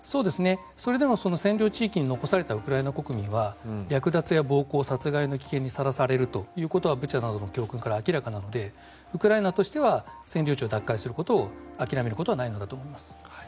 それでも占領地域に残されたウクライナ国民は略奪や暴行、殺害の危険性にさらされるということはブチャなどの経験から明らかなのでウクライナとしては占領地を奪還することを諦めることはないんだと思います。